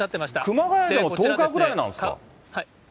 熊谷でも１０日ぐらいなんですか？